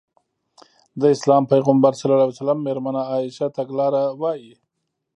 د اسلام پيغمبر ص مېرمنه عايشه تګلاره وايي.